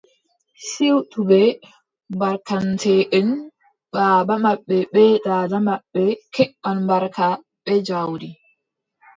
Siwtuɓe barkanteʼen, baaba maɓɓe bee daada maɓɓe keɓan barka bee jawdi.